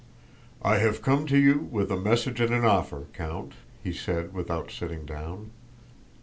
"I have come to you with a message and an offer, Count," he said without sitting down.